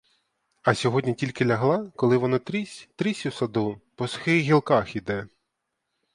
А сьогодні тільки лягла, коли воно трісь, трісь у саду, — по сухих гілках іде.